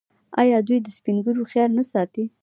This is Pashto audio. آیا دوی د سپین ږیرو خیال نه ساتي؟